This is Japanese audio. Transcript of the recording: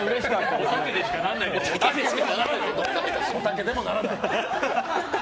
おたけでもならないよ！